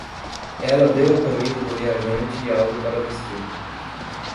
Ela deu a comida do viajante e algo para vestir.